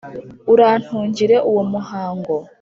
urantungire uwo muhango